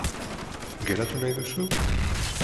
Geratu nahi duzu?